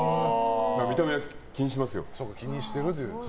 見た目は気にしますよ。